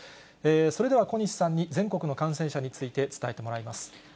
それでは小西さんに、全国の感染者について伝えてもらいます。